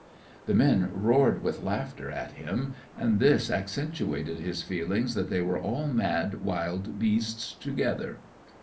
The men roared with laughter at him, and this accentuated his feeling that they were all mad wild beasts together.